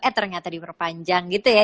eh ternyata diperpanjang gitu ya